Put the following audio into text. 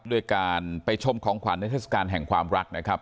ด้วยการไปชมของขวัญในเทศกาลแห่งความรักนะครับ